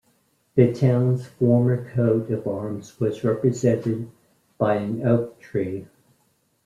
The town's former coat of arms was represented by an oak tree.